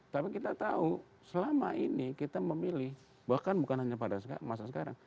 tapi kita tahu selama ini kita memilih bahkan bukan hanya pada masa sekarang